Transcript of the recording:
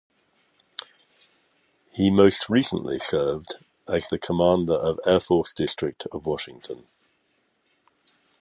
He most recently served as the commander of Air Force District of Washington.